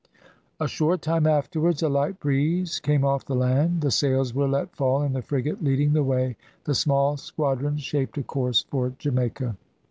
A short time afterwards a light breeze came off the land. The sails were let fall, and, the frigate leading the way, the small squadron shaped a course for Jamaica.